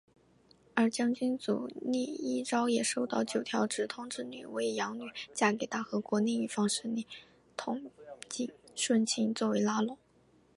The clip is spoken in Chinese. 而将军足利义昭也收九条植通之女为养女嫁给大和国另一方势力筒井顺庆作为拉拢。